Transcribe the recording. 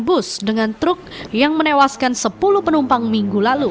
bus dengan truk yang menewaskan sepuluh penumpang minggu lalu